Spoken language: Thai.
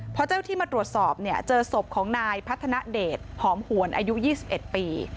พอเจ้าที่มาตรวจสอบเนี่ยเจอศพของนายพัฒนาเดชหอมหวนอายุ๒๑ปี